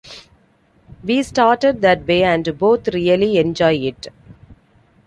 We started that way and both really enjoy it.